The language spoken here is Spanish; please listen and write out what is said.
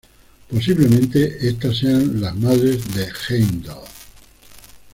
Posiblemente estas sean las madres de Heimdall.